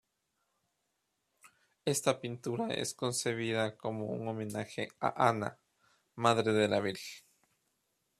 Esta pintura es concebida como un homenaje a Ana, madre de la Virgen.